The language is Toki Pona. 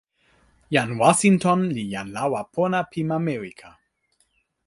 jan Wasinton li jan lawa pona pi ma Mewika.